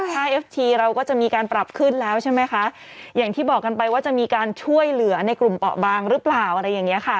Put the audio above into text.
ถ้าเอฟทีเราก็จะมีการปรับขึ้นแล้วใช่ไหมคะอย่างที่บอกกันไปว่าจะมีการช่วยเหลือในกลุ่มเปาะบางหรือเปล่าอะไรอย่างเงี้ยค่ะ